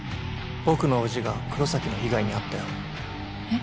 僕の叔父が黒崎の被害に遭ったよえっ？